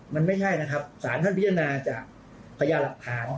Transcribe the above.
มันไม่ใช่นะครับสารท่านพิจารณาจากพยานหลักฐาน